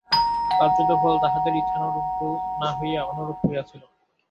কার্যত ফল তাহাদের ইচ্ছানুরূপ না হইয়া অন্যরূপ হইয়াছিল।